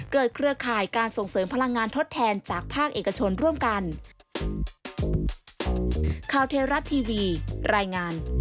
เครือข่ายการส่งเสริมพลังงานทดแทนจากภาคเอกชนร่วมกัน